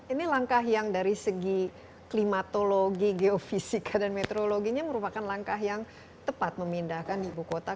ini langkah yang dari segi klimatologi geofisika dan meteorologinya merupakan langkah yang tepat memindahkan ibu kota